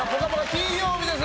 金曜日です。